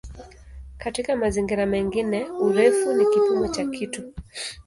Katika mazingira mengine "urefu" ni kipimo cha kitu.